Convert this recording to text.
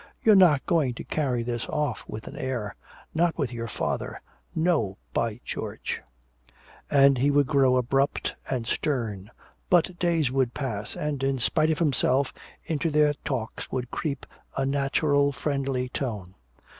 You're not going to carry this off with an air not with your father! No, by George!" And he would grow abrupt and stern. But days would pass and in spite of himself into their talks would creep a natural friendly tone.